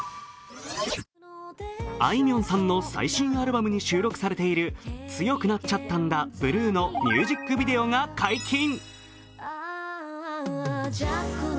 あいみょんさんの最新アルバムに収録されている「強くなっちゃったんだ、ブルー」のミュージックビデオが解禁。